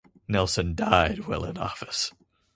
Nelson died while in office.